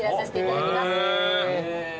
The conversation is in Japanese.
へえ。